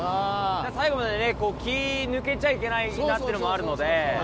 最後まで気抜けちゃいけないなっていうのもあるので。